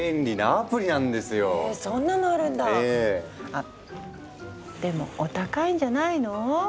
あでもお高いんじゃないの？